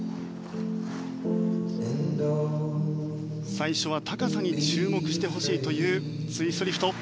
最初は高さに注目してほしいというツイストリフト。